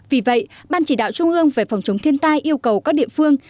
vì vậy ban chỉ đạo trung ương về phòng chống thiên tai yêu cầu các địa phương